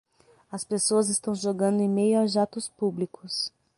As pessoas estão jogando em meio a jatos públicos.